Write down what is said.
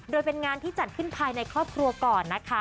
โดยเป็นงานที่จัดขึ้นภายในครอบครัวก่อนนะคะ